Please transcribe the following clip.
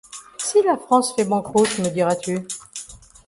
Si la France fait banqueroute ? me diras-tu.